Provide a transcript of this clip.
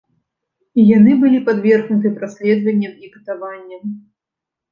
І яны былі падвергнуты праследаванням і катаванням.